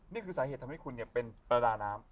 นี่คือสาเหตุทำให้คุณเป็นประดาน้ำ